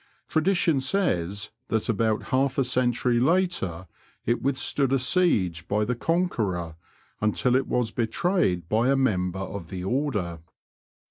Tradition says that ^^ut half a century later it witibstood a siege by the Conqueror, until it was betrayed by a member of the order.